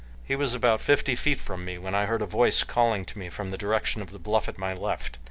He was about fifty feet from me when I heard a voice calling to me from the direction of the bluff at my left.